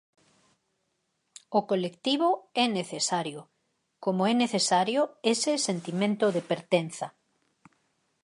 O colectivo é necesario, como é necesario ese sentimento de pertenza.